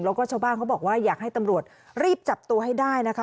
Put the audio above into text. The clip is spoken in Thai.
แล้วก็ชาวบ้านเขาบอกว่าอยากให้ตำรวจรีบจับตัวให้ได้นะคะ